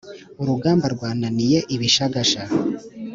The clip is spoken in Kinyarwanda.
Urugamba rwananiye ibishagasha